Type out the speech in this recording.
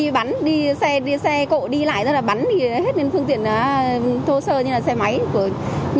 đi bắn đi xe xe cộ đi lại ra là bắn thì hết nên phương tiện thô sơ như là xe máy như bọn mình đi